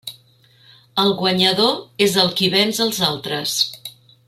El guanyador és el qui venç els altres.